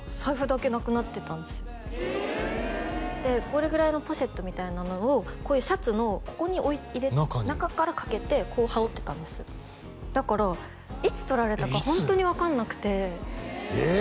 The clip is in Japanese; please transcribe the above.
これぐらいのポシェットみたいなのをこういうシャツのここに中から掛けてこう羽織ってたんですだからいつ取られたかホントに分かんなくてええ？